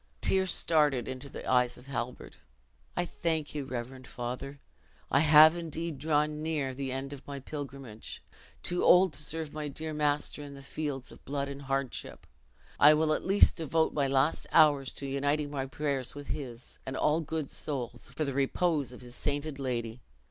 Tears started into the eyes of Halbert. "I thank you, reverend father; I have indeed drawn near the end of my pilgrimage too old to serve my dear master in fields of blood and hardship, I will at least devote my last hours to uniting my prayers with his, and all good souls, for the repose of his sainted lady.